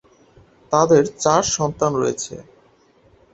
তাঁদের চার সন্তান রয়েছে।